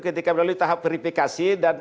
ketika melalui tahap verifikasi dan